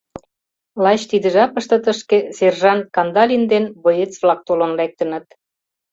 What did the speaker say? Лач тиде жапыште тышке сержант Кандалин ден боец-влак толын лектыныт.